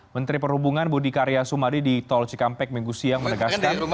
menteri perhubungan budi karya sumadi di tol cikampek minggu siang menegaskan